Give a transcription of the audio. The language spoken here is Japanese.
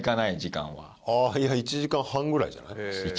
いや１時間半ぐらいじゃない？